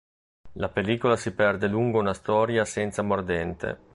La pellicola si perde lungo una storia senza mordente.